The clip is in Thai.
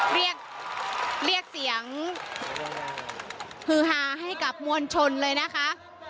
เรียกเรียกเสียงฮือฮาให้กับมวลชนเลยนะคะ